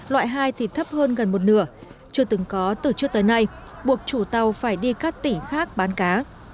loại hai thì thấp hơn gần một nửa chưa từng có từ trước tới nay buộc chủ tàu phải đi các tỉ khác bán cá